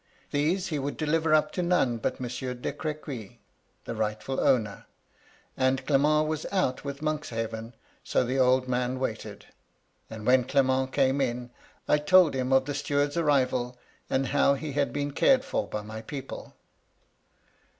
These he would deliver up to none but Monsieur de Crequy, the rightful owner ; and Clement was out with Monkshaven, so the old man waited ; and when Qement came in, I told him of the steward's 112 MY LADY LUDLOW. arrival, and how he had been cared for by my people.